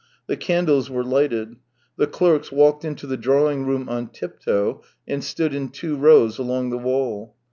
The candles were lighted. The clerks walked into the drawing room on tiptoe and stood in two rows along the wall.